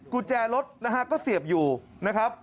กุญแจรถนะฮะก็เสียบอยู่นะครับ